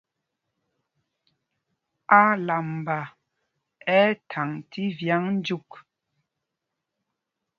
Álamba ɛ́ ɛ́ thaŋ tí vyǎŋ dyûk.